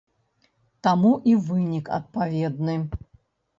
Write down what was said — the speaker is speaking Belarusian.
Таму і вынік адпаведны.